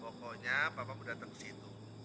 pokoknya bapak mau datang ke situ